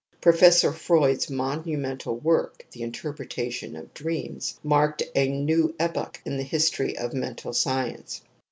Professor Freud's monu mental work. The Interpretation of Dreams , marked a new epoch in the history of mental science.